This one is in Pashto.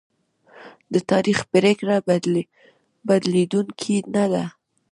د تاریخ پرېکړه بدلېدونکې نه ده.